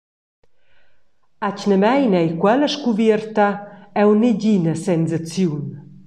Atgnamein ei quella scuvierta aunc negina sensaziun.